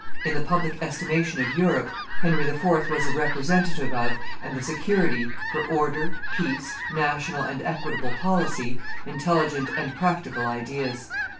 In the public estimation of Europe Henry IV. was the representative of and the security for order, peace, national and equitable policy, intelligent and practical ideas.